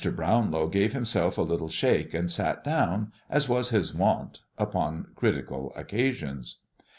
Brownlow gave himself a little shake and sat down, as was his wont upon critical occasions.